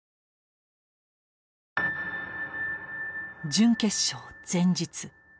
準決勝前日。